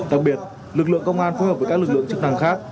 đặc biệt lực lượng công an phối hợp với các lực lượng chức năng khác